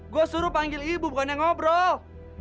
gue suruh panggil ibu bukannya ngobrol